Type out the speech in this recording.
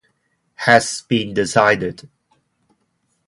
Has been decided.